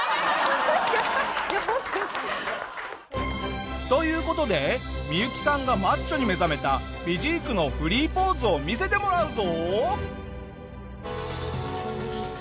確かに。という事でミユキさんがマッチョに目覚めたフィジークのフリーポーズを見せてもらうぞ！